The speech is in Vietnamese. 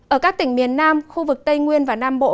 ở các tỉnh miền nam khu vực tây nguyên và nam bộ